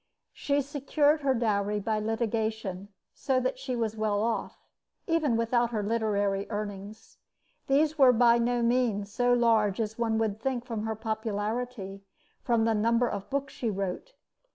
She secured her dowry by litigation, so that she was well off, even without her literary earnings. These were by no means so large as one would think from her popularity and from the number of books she wrote.